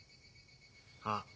ああ。